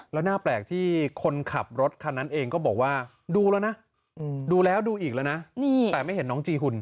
แล้วน่าแปลกที่คนขับรถคันนั้นเองก็บอกว่าดูแล้วนะดูแล้วดูอีกแล้วนะแต่ไม่เห็นน้องจีหุ่น